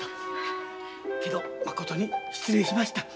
けどまことに失礼しました。